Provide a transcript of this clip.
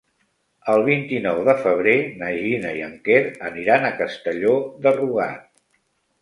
El vint-i-nou de febrer na Gina i en Quer aniran a Castelló de Rugat.